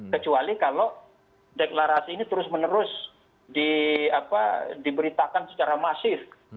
kecuali kalau deklarasi ini terus menerus diberitakan secara masif